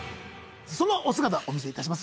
そのお姿お見せいたします。